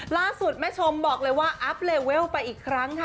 ล่าสุดแม่ชมบอกเลยว่าอัพเลเวลไปอีกครั้งค่ะ